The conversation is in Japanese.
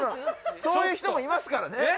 そういう人もいますからね。